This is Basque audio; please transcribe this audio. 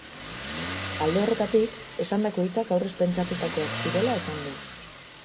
Alde horretatik, esandako hitzak aurrez pentsatutakoak zirela esan du.